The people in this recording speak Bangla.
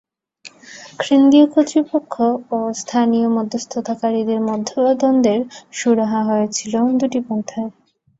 কেন্দ্রীয় কর্তৃপক্ষ ও স্থানীয় মধ্যস্থতাকারীদের মধ্যকার দ্বন্দ্বের সুরাহা হয়েছিল দুটি পন্থায়।